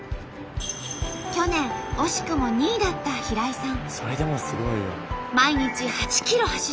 去年惜しくも２位だった平井さん。